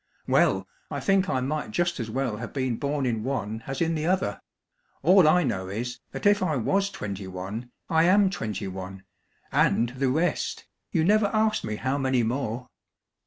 "Well, I think I might just as well have been born in one as in the other. All I know is, that if I was twenty one, I am twenty one and the rest you never asked me how many more.